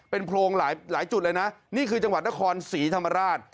เป็นโพรงหลายจุดเลยนะนี่คือจังหวัดนครศรีธรรมราช